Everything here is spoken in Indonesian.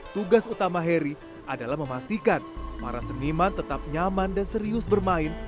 tugas utama heri adalah memastikan para seniman tetap nyaman dan serius bermain